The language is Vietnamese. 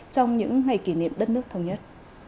trong những ngày kỷ niệm đất nước thông nhất